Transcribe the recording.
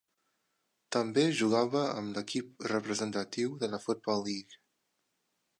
També jugava amb l'equip representatiu de la Football League.